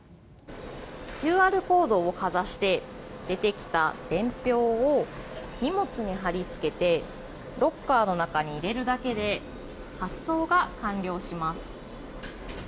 ＱＲコードをかざして出てきた伝票を荷物に貼りつけてロッカーの中に入れるだけで発送が完了します。